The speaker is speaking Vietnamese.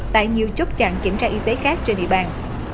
tại nhiều chốt chặn kiểm tra y tế khác trên địa bàn